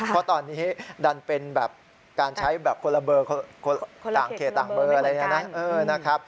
เพราะตอนนี้ดันเป็นการใช้คนละเบอร์ต่างเคตต่างเบอร์